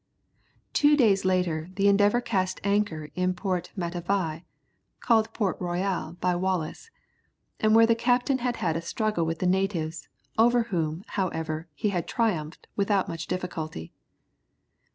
Two days later, the Endeavour cast anchor in Port Matavai, called Port Royal by Wallis, and where that captain had had a struggle with the natives, over whom, however, he had triumphed without much difficulty.